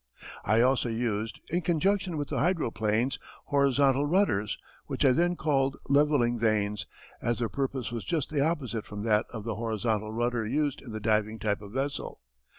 I also used, in conjunction with the hydroplanes, horizontal rudders which I then called "levelling vanes," as their purpose was just the opposite from that of the horizontal rudder used in the diving type of vessel.